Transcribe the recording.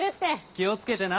気を付けてな。